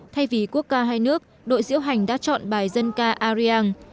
thay vì quốc ca hai nước đội diễu hành đã chọn bài dân ca ariang